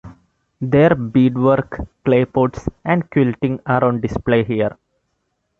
Their bead-work, clay pots and quilting are on display here.